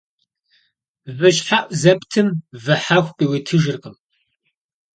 Вы щхьэӀу зэптым вы хьэху къыуитыжыркъым.